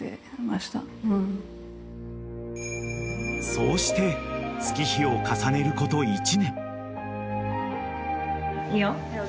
［そうして月日を重ねること１年］